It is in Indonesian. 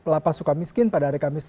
lapas suka miskin pada hari kamis